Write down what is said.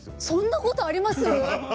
そんなことあります？